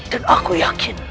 dan aku yakin